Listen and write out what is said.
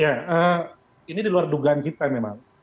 ya ini di luar dugaan kita memang